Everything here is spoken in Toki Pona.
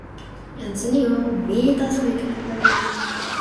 jan Seni o, mi taso li ken ala pali e ni.